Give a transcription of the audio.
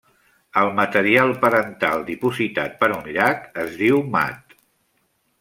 El material parental dipositat per un llac es diu mat.